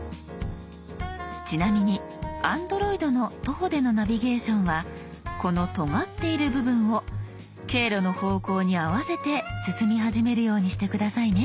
ちなみにＡｎｄｒｏｉｄの徒歩でのナビゲーションはこのとがっている部分を経路の方向に合わせて進み始めるようにして下さいね。